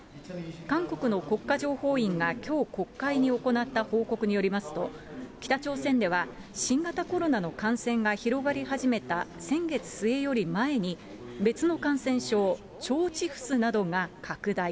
韓国の国家情報院がきょう国会に行った報告によりますと、北朝鮮では、新型コロナの感染が広がり始めた先月末より前に、別の感染症、腸チフスなどが拡大。